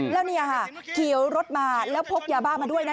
แล้วเนี่ยจิลรถมาพกยาบ้ามาด้วยนะ